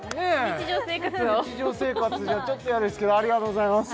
日常生活を日常生活じゃちょっと嫌ですけどありがとうございました